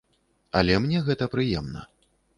Але мне гэта прыемна.